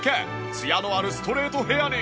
ツヤのあるストレートヘアに。